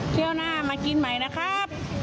ช่วงหน้ามากินใหม่นะครับ